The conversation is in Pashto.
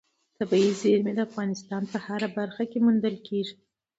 طبیعي زیرمې د افغانستان په هره برخه کې موندل کېږي.